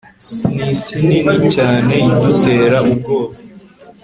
ni isi nini cyane idutera ubwoba